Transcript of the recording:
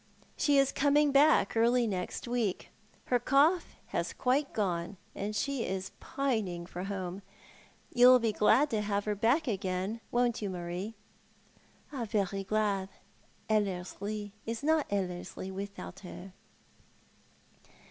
" She is coming back early next week. Her cough has quite gone, and she is pining for homo. You'll be glad to have her back again, won't you, Marie ?"" Very glad. EUerslie is not EUerslie without her."